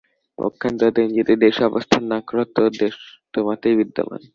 পক্ষান্তরে তুমি যদি দেশে অবস্থান না কর তো দেশ তোমাতেই বিদ্যমান।